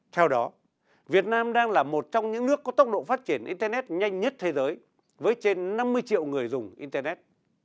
theo đó việt nam đang là một trong những nước có tốc độ phát triển internet nhanh nhất thế giới với trên năm mươi triệu người dùng internet